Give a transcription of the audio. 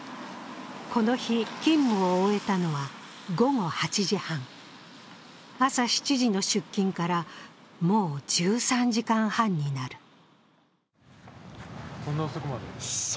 この日、勤務を終えたのは午後８時半、朝７時の出勤からもう１３時間半になる。